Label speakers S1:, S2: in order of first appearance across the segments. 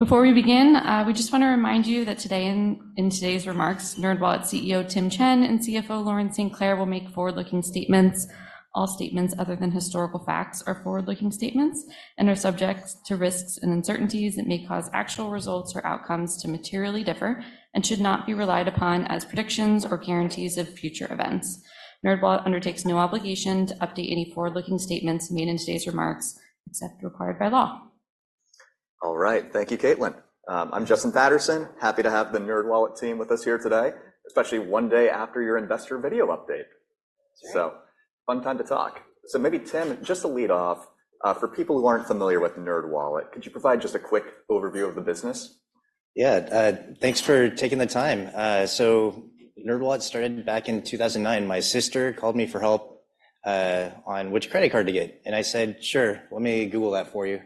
S1: Before we begin, we just want to remind you that today, in today's remarks, NerdWallet CEO Tim Chen and CFO Lauren StClair will make forward-looking statements. All statements other than historical facts are forward-looking statements and are subject to risks and uncertainties that may cause actual results or outcomes to materially differ and should not be relied upon as predictions or guarantees of future events. NerdWallet undertakes no obligation to update any forward-looking statements made in today's remarks, except required by law.
S2: All right. Thank you, Caitlin. I'm Justin Patterson. Happy to have the NerdWallet team with us here today, especially one day after your investor video update.
S3: That's right.
S2: So fun time to talk. So maybe, Tim, just to lead off, for people who aren't familiar with NerdWallet, could you provide just a quick overview of the business?
S4: Yeah, thanks for taking the time. So NerdWallet started back in 2009. My sister called me for help on which credit card to get, and I said: "Sure, let me Google that for you."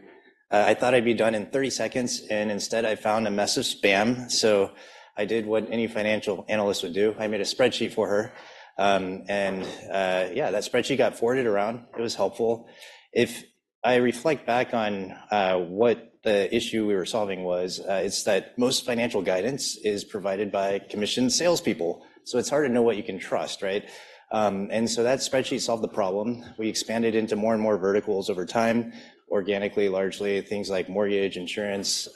S4: I thought I'd be done in 30 seconds, and instead, I found a mess of spam. So I did what any financial analyst would do. I made a spreadsheet for her, and yeah, that spreadsheet got forwarded around. It was helpful. If I reflect back on what the issue we were solving was, it's that most financial guidance is provided by commissioned salespeople, so it's hard to know what you can trust, right? And so that spreadsheet solved the problem. We expanded into more and more verticals over time, organically, largely things like mortgage insurance,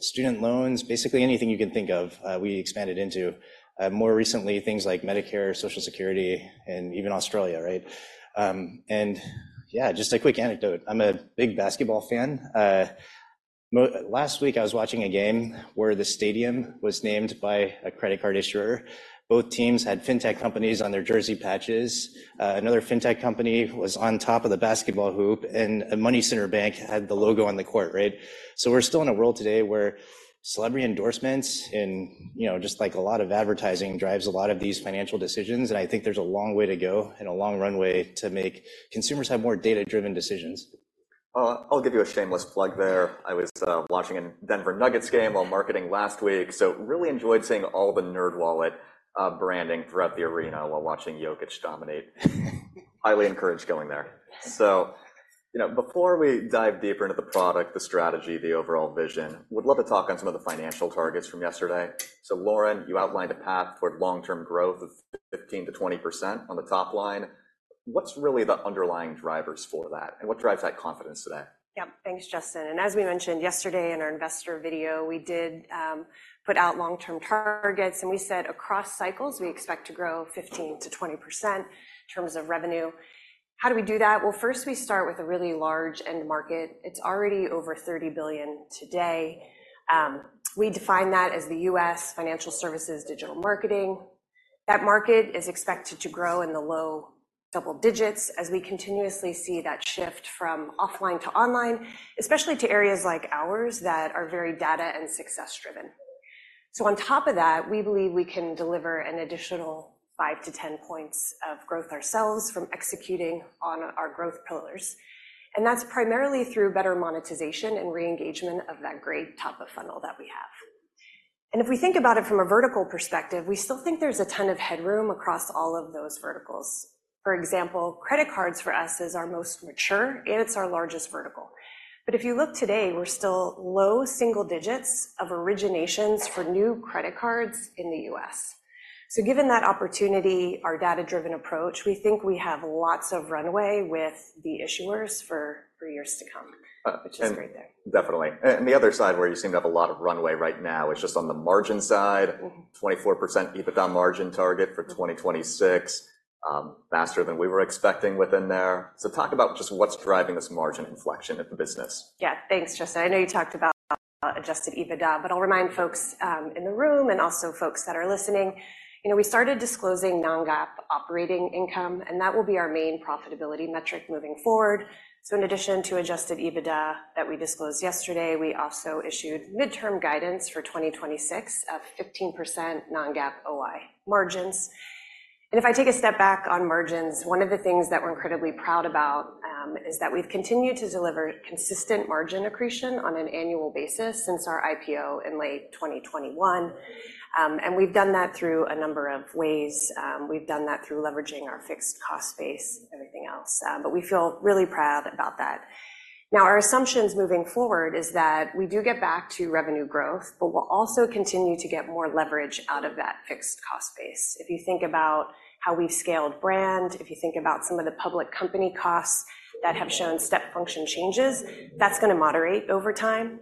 S4: student loans. Basically, anything you can think of, we expanded into. More recently, things like Medicare, Social Security, and even Australia, right? And yeah, just a quick anecdote. I'm a big basketball fan. Last week, I was watching a game where the stadium was named by a credit card issuer. Both teams had fintech companies on their jersey patches. Another fintech company was on top of the basketball hoop, and a money center bank had the logo on the court, right? So we're still in a world today where celebrity endorsements and, you know, just like a lot of advertising, drives a lot of these financial decisions, and I think there's a long way to go and a long runway to make consumers have more data-driven decisions.
S2: I'll give you a shameless plug there. I was watching a Denver Nuggets game while marketing last week, so really enjoyed seeing all the NerdWallet branding throughout the arena while watching Jokić dominate. Highly encourage going there.
S3: Yes.
S2: So, you know, before we dive deeper into the product, the strategy, the overall vision, would love to talk on some of the financial targets from yesterday. So, Lauren, you outlined a path for long-term growth of 15%-20% on the top line. What's really the underlying drivers for that, and what drives that confidence today?
S3: Yeah. Thanks, Justin. And as we mentioned yesterday in our investor video, we did put out long-term targets, and we said across cycles, we expect to grow 15%-20% in terms of revenue. How do we do that? Well, first, we start with a really large end market. It's already over $30 billion today. We define that as the U.S. financial services digital marketing. That market is expected to grow in the low double digits as we continuously see that shift from offline to online, especially to areas like ours, that are very data and success driven. So on top of that, we believe we can deliver an additional five to 10 points of growth ourselves from executing on our growth pillars, and that's primarily through better monetization and re-engagement of that great top of funnel that we have. And if we think about it from a vertical perspective, we still think there's a ton of headroom across all of those verticals. For example, credit cards for us is our most mature, and it's our largest vertical. But if you look today, we're still low single digits of originations for new credit cards in the U.S. So given that opportunity, our data-driven approach, we think we have lots of runway with the issuers for years to come, which is great there.
S2: Definitely. And the other side, where you seem to have a lot of runway right now, is just on the margin side 24% EBITDA margin target-for 2026, faster than we were expecting within there. So talk about just what's driving this margin inflection of the business.
S3: Yeah. Thanks, Justin. I know you talked about adjusted EBITDA, but I'll remind folks in the room and also folks that are listening. You know, we started disclosing non-GAAP operating income, and that will be our main profitability metric moving forward. So in addition to adjusted EBITDA that we disclosed yesterday, we also issued midterm guidance for 2026 of 15% non-GAAP OI margins. And if I take a step back on margins, one of the things that we're incredibly proud about is that we've continued to deliver consistent margin accretion on an annual basis since our IPO in late 2021. And we've done that through a number of ways. We've done that through leveraging our fixed cost base, everything else, but we feel really proud about that. Now, our assumptions moving forward is that we do get back to revenue growth, but we'll also continue to get more leverage out of that fixed cost base. If you think about how we've scaled brand, if you think about some of the public company costs that have shown step function changes, that's gonna moderate over time.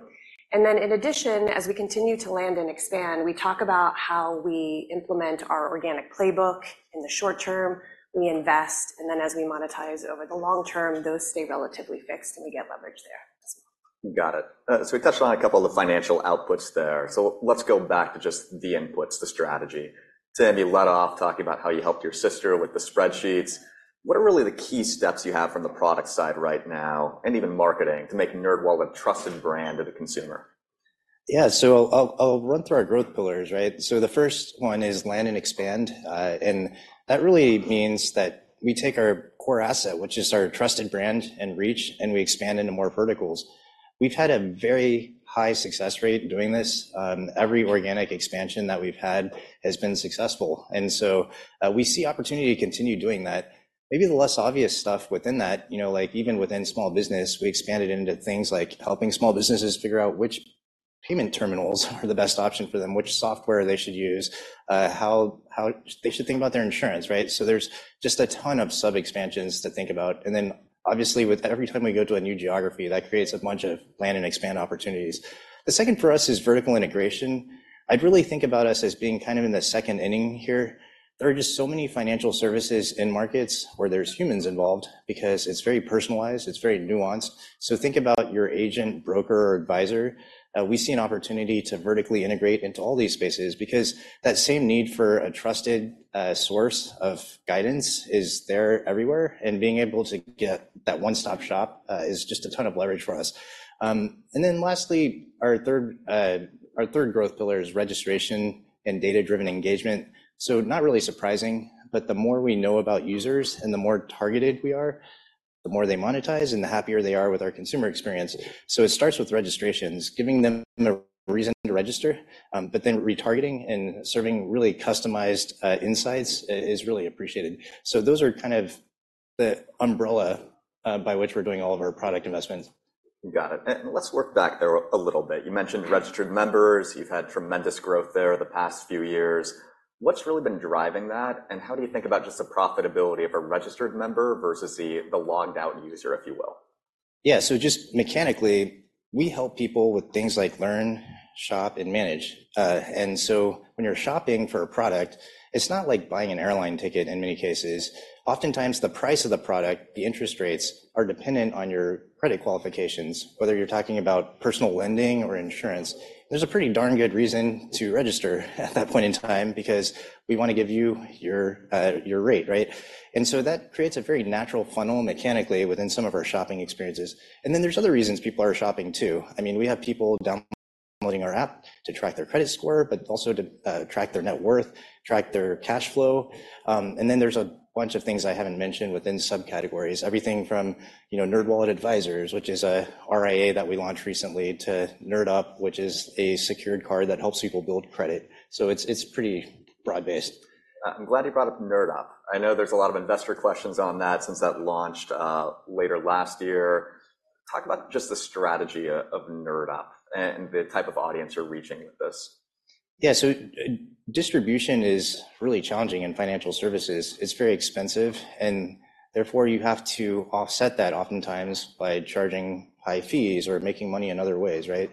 S3: And then in addition, as we continue to land and expand, we talk about how we implement our organic playbook in the short term. We invest, and then as we monetize it over the long term, those stay relatively fixed, and we get leverage there as well.
S2: Got it. So we touched on a couple of the financial outputs there. Let's go back to just the inputs, the strategy. Tim, you led off talking about how you helped your sister with the spreadsheets. What are really the key steps you have from the product side right now, and even marketing, to make NerdWallet a trusted brand to the consumer?
S4: Yeah. So I'll run through our growth pillars, right? So the first one is land and expand. And that really means that we take our core asset, which is our trusted brand and reach, and we expand into more verticals. We've had a very high success rate doing this. Every organic expansion that we've had has been successful, and so we see opportunity to continue doing that. Maybe the less obvious stuff within that, you know, like even within small business, we expanded into things like helping small businesses figure out which payment terminals are the best option for them, which software they should use, how they should think about their insurance, right? So there's just a ton of sub-expansions to think about. And then obviously, with every time we go to a new geography, that creates a bunch of land and expand opportunities. The second for us is vertical integration. I'd really think about us as being kind of in the second inning here. There are just so many financial services in markets where there's humans involved because it's very personalized, it's very nuanced. So think about your agent, broker, or advisor. We see an opportunity to vertically integrate into all these spaces because that same need for a trusted source of guidance is there everywhere, and being able to get that one-stop shop is just a ton of leverage for us. And then lastly, our third, our third growth pillar is registration and data-driven engagement. So not really surprising, but the more we know about users and the more targeted we are, the more they monetize and the happier they are with our consumer experience. So it starts with registrations, giving them a reason to register, but then retargeting and serving really customized insights is really appreciated. So those are kind of the umbrella by which we're doing all of our product investments.
S2: Got it. Let's work back there a little bit. You mentioned registered members. You've had tremendous growth there the past few years. What's really been driving that, and how do you think about just the profitability of a registered member versus the logged-out user, if you will?
S4: Yeah, so just mechanically, we help people with things like learn, shop, and manage. And so when you're shopping for a product, it's not like buying an airline ticket in many cases. Oftentimes, the price of the product, the interest rates, are dependent on your credit qualifications. Whether you're talking about personal lending or insurance, there's a pretty darn good reason to register at that point in time because we want to give you your, your rate, right? And so that creates a very natural funnel mechanically within some of our shopping experiences. And then there's other reasons people are shopping too. I mean, we have people downloading our app to track their credit score, but also to, track their net worth, track their cash flow. And then there's a bunch of things I haven't mentioned within subcategories, everything from, you know, NerdWallet Advisors, which is a RIA that we launched recently, to NerdUp, which is a secured card that helps people build credit. So it's pretty broad-based.
S2: I'm glad you brought up NerdUp. I know there's a lot of investor questions on that since that launched, later last year. Talk about just the strategy of NerdUp and the type of audience you're reaching with this.
S4: Yeah, so distribution is really challenging in financial services. It's very expensive, and therefore, you have to offset that oftentimes by charging high fees or making money in other ways, right?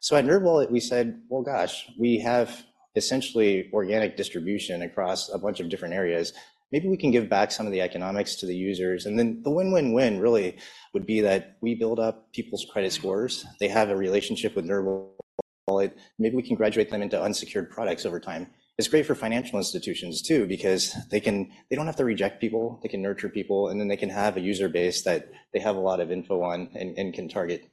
S4: So at NerdWallet, we said, "Well, gosh, we have essentially organic distribution across a bunch of different areas. Maybe we can give back some of the economics to the users." And then the win-win-win really would be that we build up people's credit scores. They have a relationship with NerdWallet. Maybe we can graduate them into unsecured products over time. It's great for financial institutions, too, because they can, they don't have to reject people. They can nurture people, and then they can have a user base that they have a lot of info on and can target.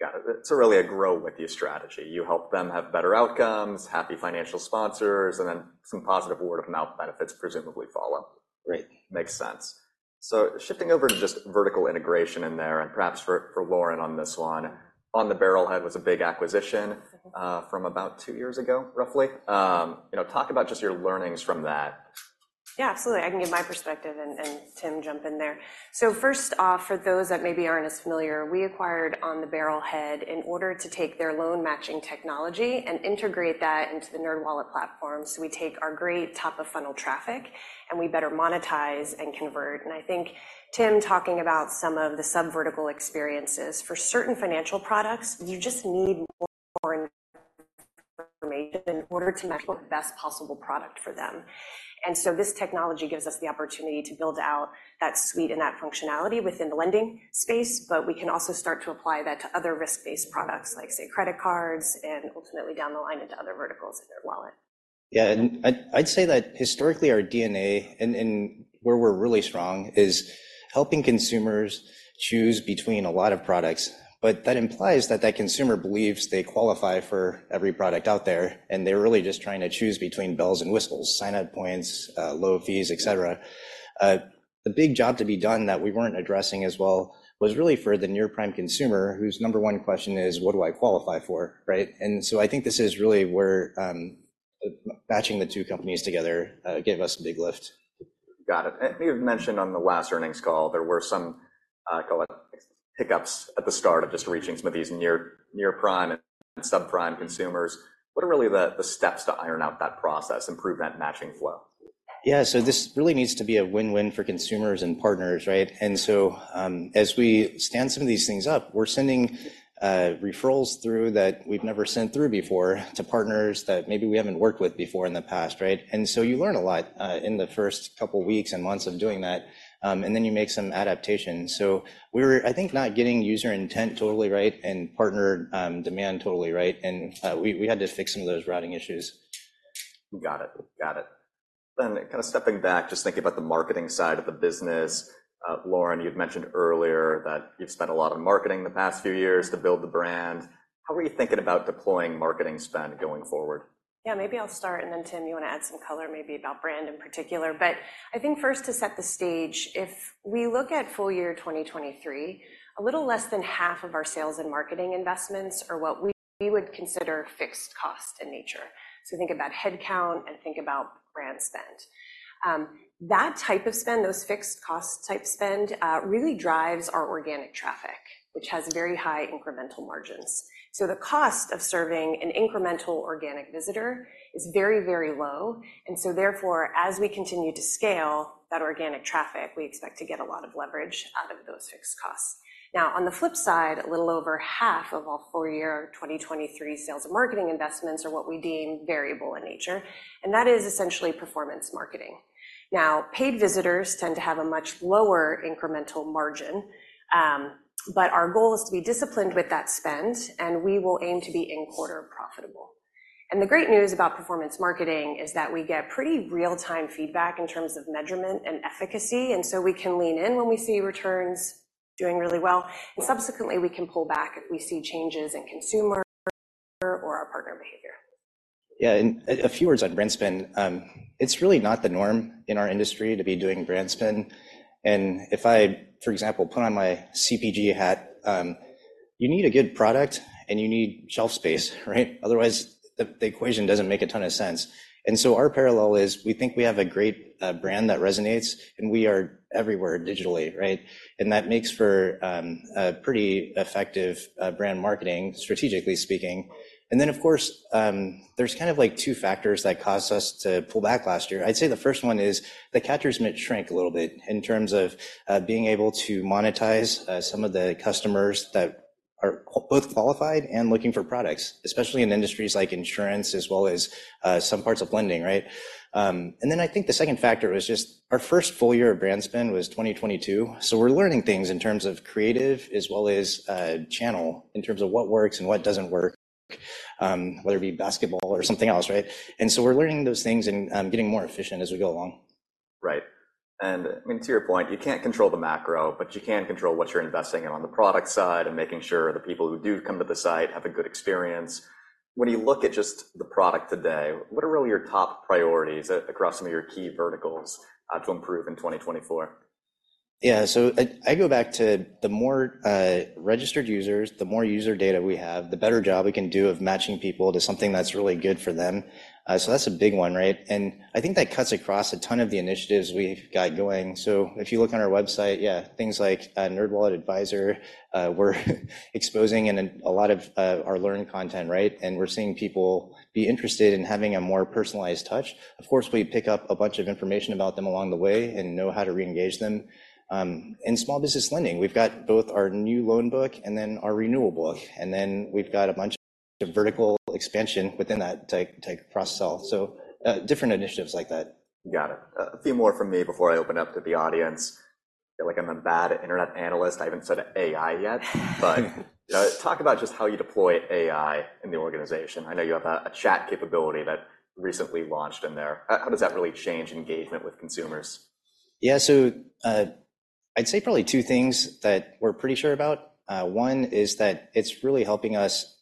S2: Got it. It's really a grow-with-you strategy. You help them have better outcomes, happy financial sponsors, and then some positive word-of-mouth benefits presumably follow.
S4: Right.
S2: Makes sense. So shifting over to just vertical integration in there, and perhaps for Lauren on this one, On the Barrelhead was a big acquisition.from about two years ago, roughly. You know, talk about just your learnings from that.
S3: Yeah, absolutely. I can give my perspective, and Tim jump in there. So first off, for those that maybe aren't as familiar, we acquired On the Barrelhead in order to take their loan-matching technology and integrate that into the NerdWallet platform. So we take our great top-of-funnel traffic, and we better monetize and convert. And I think Tim talking about some of the sub-vertical experiences, for certain financial products, you just need more information in order to match the best possible product for them. And so this technology gives us the opportunity to build out that suite and that functionality within the lending space, but we can also start to apply that to other risk-based products, like, say, credit cards and ultimately down the line into other verticals in their wallet.
S4: Yeah, and I'd say that historically, our DNA and where we're really strong is helping consumers choose between a lot of products, but that implies that that consumer believes they qualify for every product out there, and they're really just trying to choose between bells and whistles, sign-up points, low fees, et cetera. The big job to be done that we weren't addressing as well was really for the near-prime consumer, whose number one question is, "What do I qualify for?" right? And so I think this is really where matching the two companies together gave us a big lift.
S2: Got it. And you've mentioned on the last earnings call, there were some hiccups at the start of just reaching some of these near-prime and subprime consumers. What are really the steps to iron out that process, improve that matching flow?
S4: Yeah, so this really needs to be a win-win for consumers and partners, right? And so, as we stand some of these things up, we're sending referrals through that we've never sent through before to partners that maybe we haven't worked with before in the past, right? And so you learn a lot in the first couple of weeks and months of doing that, and then you make some adaptations. So we were, I think, not getting user intent totally right and partner demand totally right, and we had to fix some of those routing issues.
S2: Got it. Got it. Then kind of stepping back, just thinking about the marketing side of the business, Lauren, you've mentioned that you've spent a lot on marketing the past few years to build the brand. How are you thinking about deploying marketing spend going forward?
S3: Yeah, maybe I'll start, and then Tim, you want to add some color maybe about brand in particular. But I think first, to set the stage, if we look at full year 2023, a little less than half of our sales and marketing investments are what we, we would consider fixed cost in nature. So think about head count and think about brand spend. That type of spend, those fixed cost type spend, really drives our organic traffic, which has very high incremental margins. So the cost of serving an incremental organic visitor is very, very low, and so therefore, as we continue to scale that organic traffic, we expect to get a lot of leverage out of those fixed costs. Now, on the flip side, a little over half of our full year 2023 sales and marketing investments are what we deem variable in nature, and that is essentially performance marketing. Now, paid visitors tend to have a much lower incremental margin, but our goal is to be disciplined with that spend, and we will aim to be in-quarter profitable. And the great news about performance marketing is that we get pretty real-time feedback in terms of measurement and efficacy, and so we can lean in when we see returns doing really well, and subsequently, we can pull back if we see changes in consumer or our partner behavior.
S4: Yeah, and a few words on brand spend. It's really not the norm in our industry to be doing brand spend, and if I, for example, put on my CPG hat, you need a good product, and you need shelf space, right? Otherwise, the equation doesn't make a ton of sense. And so our parallel is, we think we have a great brand that resonates, and we are everywhere digitally, right? And that makes for a pretty effective brand marketing, strategically speaking. And then of course, there's kind of like two factors that caused us to pull back last year. I'd say the first one is the catcher's mitt shrank a little bit in terms of being able to monetize some of the customers that are both qualified and looking for products, especially in industries like insurance as well as some parts of lending, right? And then I think the second factor is just our first full year of brand spend was 2022, so we're learning things in terms of creative as well as channel, in terms of what works and what doesn't work, whether it be basketball or something else, right? And so we're learning those things and getting more efficient as we go along.
S2: Right. I mean, to your point, you can't control the macro, but you can control what you're investing in on the product side and making sure the people who do come to the site have a good experience. When you look at just the product today, what are really your top priorities across some of your key verticals to improve in 2024?
S4: Yeah, so I go back to the more registered users, the more user data we have, the better job we can do of matching people to something that's really good for them. So that's a big one, right? And I think that cuts across a ton of the initiatives we've got going. So if you look on our website, yeah, things like NerdWallet Advisors, we're exposing and then a lot of our learn content, right? And we're seeing people be interested in having a more personalized touch. Of course, we pick up a bunch of information about them along the way and know how to re-engage them. In small business lending, we've got both our new loan book and then our renewal book, and then we've got a bunch of vertical expansion within that type of cross-sell. Different initiatives like that.
S2: Got it. A few more from me before I open up to the audience. I feel like I'm a bad internet analyst. I haven't said AI yet. But, talk about just how you deploy AI in the organization. I know you have a chat capability that recently launched in there. How does that really change engagement with consumers?
S4: Yeah, so, I'd say probably two things that we're pretty sure about. One is that it's really helping us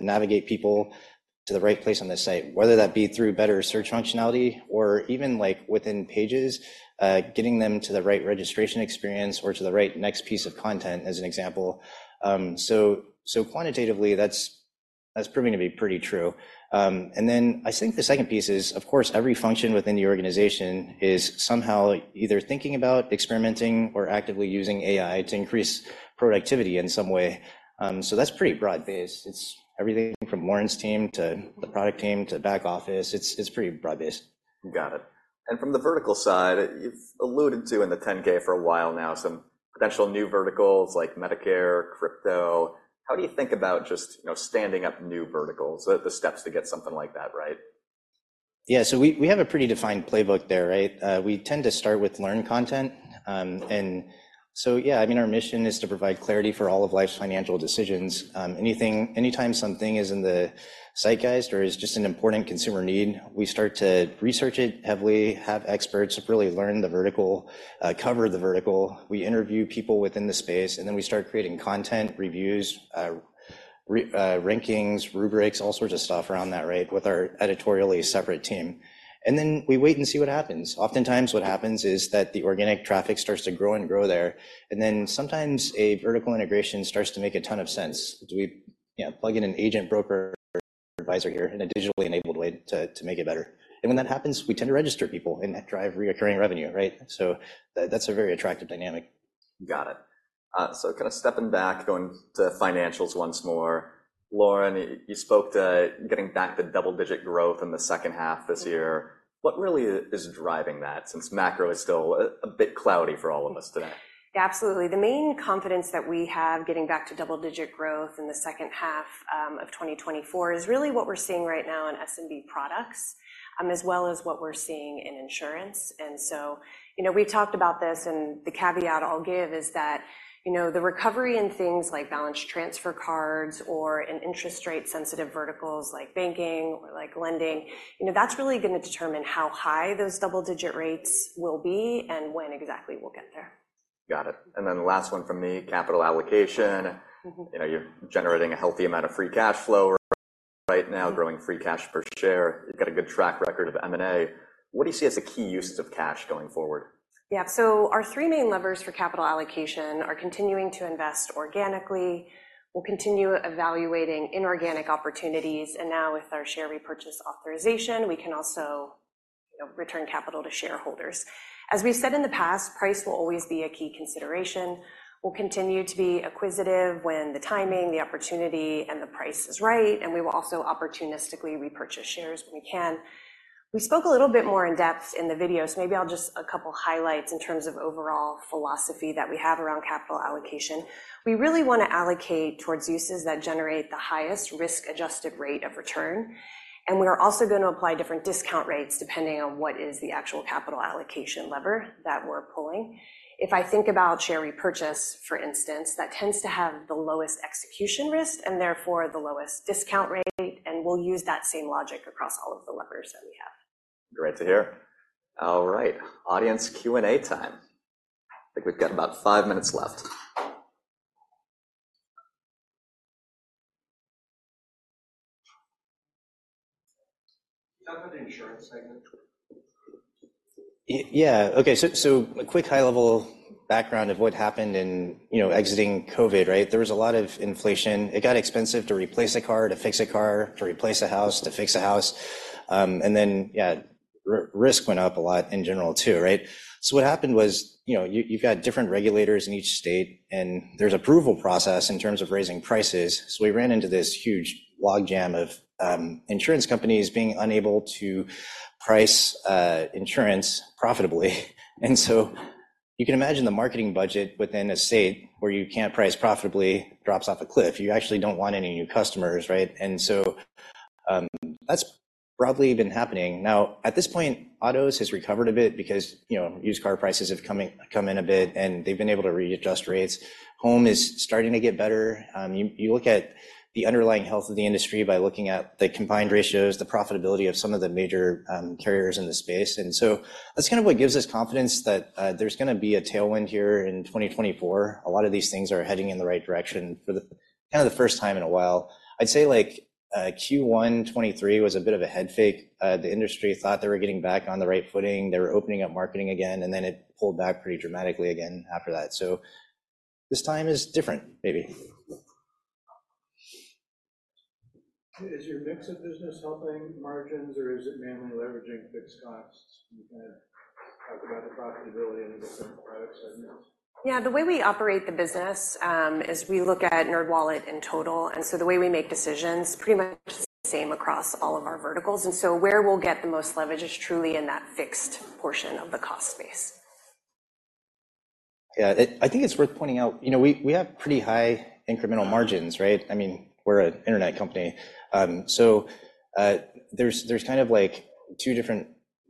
S4: navigate people to the right place on the site, whether that be through better search functionality or even, like, within pages, getting them to the right registration experience or to the right next piece of content, as an example. So, so quantitatively, that's, that's proving to be pretty true. And then I think the second piece is, of course, every function within the organization is somehow either thinking about, experimenting, or actively using AI to increase productivity in some way. So that's pretty broad-based. It's everything from Lauren's team to the product team to back office. It's, it's pretty broad-based.
S2: Got it. And from the vertical side, you've alluded to in the 10-K for a while now, some potential new verticals like Medicare, crypto. How do you think about just, you know, standing up new verticals, the steps to get something like that right?
S4: Yeah, so we have a pretty defined playbook there, right? We tend to start with learn content. And so yeah, I mean, our mission is to provide clarity for all of life's financial decisions. Anything, anytime something is in the zeitgeist or is just an important consumer need, we start to research it heavily, have experts really learn the vertical, cover the vertical. We interview people within the space, and then we start creating content, reviews, rankings, rubrics, all sorts of stuff around that, right, with our editorially separate team. And then we wait and see what happens. Oftentimes, what happens is that the organic traffic starts to grow and grow there, and then sometimes a vertical integration starts to make a ton of sense. We, you know, plug in an agent, broker, advisor here in a digitally enabled way to, to make it better. And when that happens, we tend to register people and that drive recurring revenue, right? So that's a very attractive dynamic.
S2: Got it. So kind of stepping back, going to financials once more. Lauren, you spoke to getting back to double-digit growth in the second half this year. What really is driving that, since macro is still a bit cloudy for all of us today?
S3: Absolutely. The main confidence that we have getting back to double-digit growth in the second half of 2024 is really what we're seeing right now in SMB products, as well as what we're seeing in insurance. And so, you know, we talked about this, and the caveat I'll give is that, you know, the recovery in things like balance transfer cards or in interest rate-sensitive verticals like banking or like lending, you know, that's really going to determine how high those double-digit rates will be and when exactly we'll get there.
S2: Got it. And then the last one from me, capital allocation. You know, you're generating a healthy amount of free cash flow right now, growing free cash per share. You've got a good track record of M&A. What do you see as the key uses of cash going forward?
S3: Yeah. So our three main levers for capital allocation are continuing to invest organically. We'll continue evaluating inorganic opportunities, and now with our share repurchase authorization, we can also, you know, return capital to shareholders. As we've said in the past, price will always be a key consideration. We'll continue to be acquisitive when the timing, the opportunity, and the price is right, and we will also opportunistically repurchase shares when we can. We spoke a little bit more in depth in the video, so maybe I'll just, a couple highlights in terms of overall philosophy that we have around capital allocation. We really want to allocate towards uses that generate the highest risk-adjusted rate of return, and we are also going to apply different discount rates depending on what is the actual capital allocation lever that we're pulling. If I think about share repurchase, for instance, that tends to have the lowest execution risk and therefore the lowest discount rate, and we'll use that same logic across all of the levers that we have.
S2: Great to hear. All right, audience Q&A time. I think we've got about five minutes left.
S5: How about the insurance segment?
S4: Yeah. Okay, so a quick high-level background of what happened in, you know, exiting COVID, right? There was a lot of inflation. It got expensive to replace a car, to fix a car, to replace a house, to fix a house. And then, yeah, risk went up a lot in general, too, right? So what happened was, you know, you've got different regulators in each state, and there's approval process in terms of raising prices. So we ran into this huge logjam of, insurance companies being unable to price, insurance profitably. And so you can imagine the marketing budget within a state where you can't price profitably drops off a cliff. You actually don't want any new customers, right? And so, that's broadly been happening. Now, at this point, autos has recovered a bit because, you know, used car prices have come in a bit, and they've been able to readjust rates. Home is starting to get better. You look at the underlying health of the industry by looking at the combined ratios, the profitability of some of the major carriers in the space. And so that's kind of what gives us confidence that there's gonna be a tailwind here in 2024. A lot of these things are heading in the right direction for the, kinda the first time in a while. I'd say, like, Q1 2023 was a bit of a head fake. The industry thought they were getting back on the right footing. They were opening up marketing again, and then it pulled back pretty dramatically again after that. So this time is different, maybe.
S5: Is your mix of business helping margins, or is it mainly leveraging fixed costs? Can you kinda talk about the profitability in the different product segments?
S3: Yeah, the way we operate the business, is we look at NerdWallet in total, and so the way we make decisions pretty much the same across all of our verticals. And so where we'll get the most leverage is truly in that fixed portion of the cost base.
S4: Yeah, I think it's worth pointing out, you know, we have pretty high incremental margins, right? I mean, we're an internet company. So, there's kind of like two different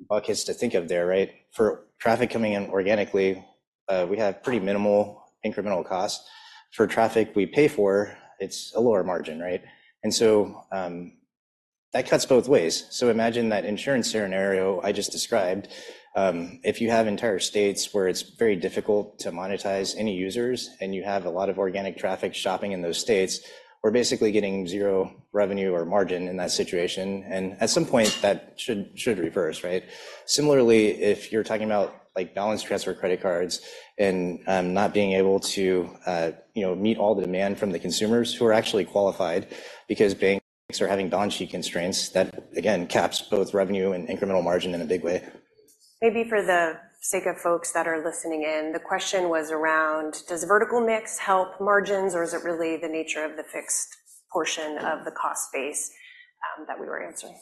S4: buckets to think of there, right? For traffic coming in organically, we have pretty minimal incremental cost. For traffic we pay for, it's a lower margin, right? And so, that cuts both ways. So imagine that insurance scenario I just described. If you have entire states where it's very difficult to monetize any users, and you have a lot of organic traffic shopping in those states, we're basically getting zero revenue or margin in that situation, and at some point, that should reverse, right? Similarly, if you're talking about, like, balance transfer credit cards and, not being able to, you know, meet all the demand from the consumers who are actually qualified because banks are having balance sheet constraints, that again caps both revenue and incremental margin in a big way.
S3: Maybe for the sake of folks that are listening in, the question was around, does vertical mix help margins, or is it really the nature of the fixed portion of the cost base that we were answering?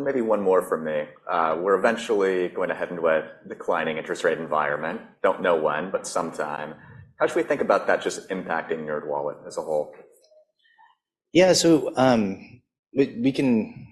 S2: Maybe one more from me. We're eventually going to head into a declining interest rate environment. Don't know when, but sometime. How should we think about that just impacting NerdWallet as a whole?
S4: Yeah. So, we can...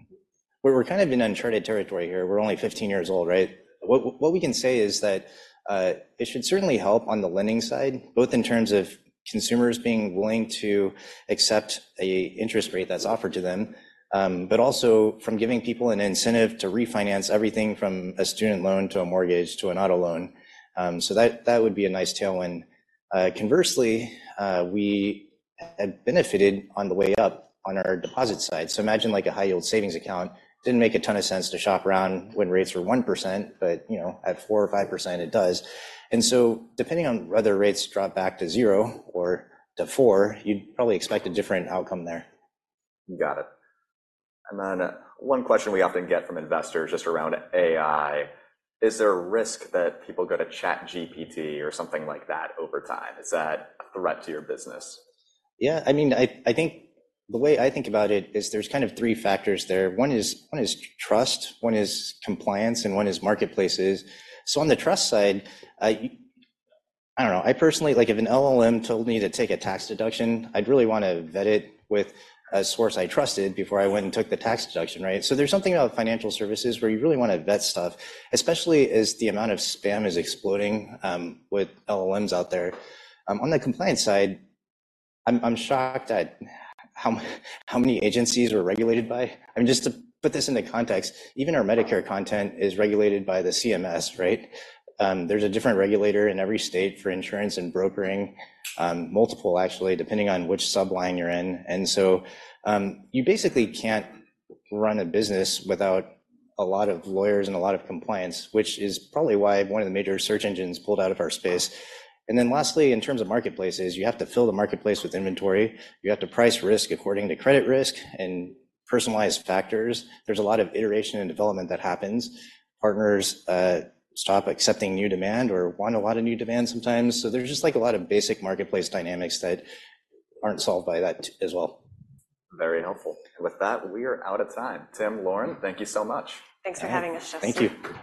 S4: We're kind of in uncharted territory here. We're only 15 years old, right? What we can say is that, it should certainly help on the lending side, both in terms of consumers being willing to accept an interest rate that's offered to them, but also from giving people an incentive to refinance everything from a student loan to a mortgage to an auto loan. So that would be a nice tailwind. Conversely, we have benefited on the way up on our deposit side. So imagine, like, a high-yield savings account didn't make a ton of sense to shop around when rates were 1%, but, you know, at 4% or 5%, it does. So depending on whether rates drop back to 0% or to 4%, you'd probably expect a different outcome there.
S2: Got it. And then one question we often get from investors just around AI: Is there a risk that people go to ChatGPT or something like that over time? Is that a threat to your business?
S4: Yeah, I mean, the way I think about it is there's kind of three factors there. One is trust, one is compliance, and one is marketplaces. So on the trust side, I don't know, I personally, like, if an LLM told me to take a tax deduction, I'd really want to vet it with a source I trusted before I went and took the tax deduction, right? So there's something about financial services where you really want to vet stuff, especially as the amount of spam is exploding with LLMs out there. On the compliance side, I'm shocked at how many agencies we're regulated by. I mean, just to put this into context, even our Medicare content is regulated by the CMS, right? There's a different regulator in every state for insurance and brokering, multiple actually, depending on which subline you're in. And so, you basically can't run a business without a lot of lawyers and a lot of compliance, which is probably why one of the major search engines pulled out of our space. And then lastly, in terms of marketplaces, you have to fill the marketplace with inventory. You have to price risk according to credit risk and personalized factors. There's a lot of iteration and development that happens. Partners stop accepting new demand or want a lot of new demand sometimes. So there's just, like, a lot of basic marketplace dynamics that aren't solved by that as well.
S2: Very helpful. With that, we are out of time. Tim, Lauren, thank you so much.
S3: Thanks for having us, Justin.
S4: Thank you.